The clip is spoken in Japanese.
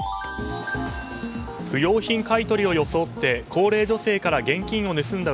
不用品買い取りを装って高齢女性から現金を盗んだ